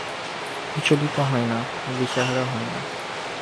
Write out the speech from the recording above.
বিচলিত হয় না, দিশেহারা হয় না।